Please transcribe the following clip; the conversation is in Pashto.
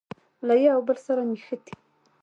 له یوه او بل سره نښتي.